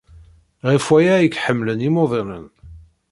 Ɣef waya ay k-ḥemmlen yimuḍinen.